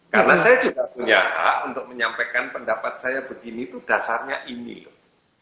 karena saya juga punya hak untuk menyampaikan pendapat saya begini tuh dasarnya ini loh